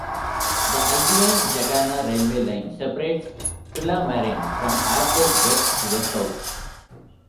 The Albion-Jacana railway line separates Tullamarine from Airport West to the south.